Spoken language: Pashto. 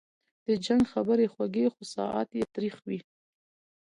د جنګ خبري خوږې خو ساعت یې تریخ وي